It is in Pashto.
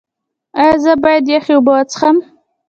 ایا زه باید یخې اوبه وڅښم؟